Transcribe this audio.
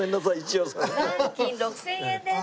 残金６０００円です。